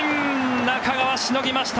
中川、しのぎました！